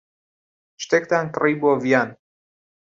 شتێکتان کڕی بۆ ڤیان.